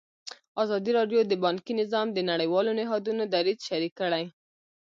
ازادي راډیو د بانکي نظام د نړیوالو نهادونو دریځ شریک کړی.